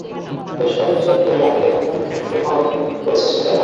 বেশ কয়েক বছর ধরেই আন্তর্জাতিকভাবে বিষয়টি নিয়ে সমালোচনার মুখে পড়েছে সুইজারল্যান্ড।